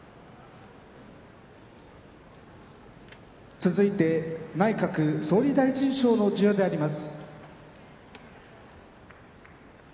続いて内閣総理大臣杯の授与であります。